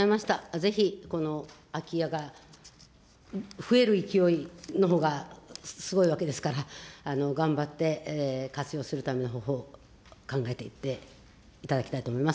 ぜひ、この空き家が増える勢いのほうがすごいわけですから、頑張って活用するための方法を考えていっていただきたいと思います。